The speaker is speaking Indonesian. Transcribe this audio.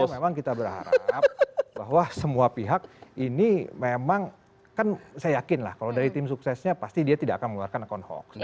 memang kita berharap bahwa semua pihak ini memang kan saya yakin lah kalau dari tim suksesnya pasti dia tidak akan mengeluarkan akun hoax